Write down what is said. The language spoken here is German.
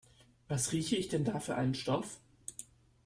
Was rieche ich denn da für einen Stoff?